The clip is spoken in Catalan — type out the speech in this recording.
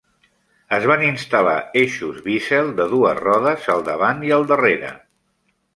Es van instal·lar eixos Bissell de dues rodes al davant i al darrere.